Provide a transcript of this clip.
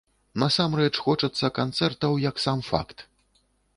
Насамрэч хочацца канцэртаў як сам факт!